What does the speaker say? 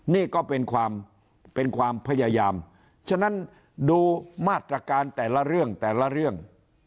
นี่ก็เป็นความเป็นความพยายามฉะนั้นดูมาตรการแต่ละเรื่องแต่ละเรื่อง